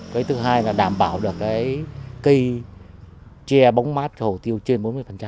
cái thứ hai là đảm bảo được cái cây che bóng mát hồ tiêu trên bốn mươi